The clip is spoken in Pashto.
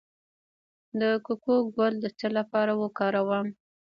د کوکو ګل د څه لپاره وکاروم؟